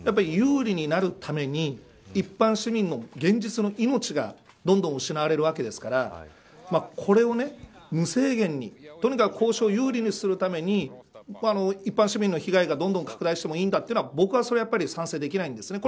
有利になるために一般市民の現実の命がどんどん失われるわけですからこれを無制限にとにかく交渉を有利にするために一般市民の被害がどんどん拡大してもいいというのは僕は賛成できないんです。